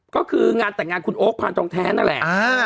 ก็คืองานแต่งงานคุณโอ๊คพานทองแท้นั่นแหละ